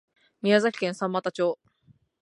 宮崎県三股町